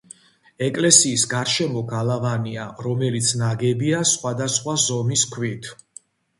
ეკლესიის გარშემო გალავანია, რომელიც ნაგებია სხვადასხვა ზომის ქვით.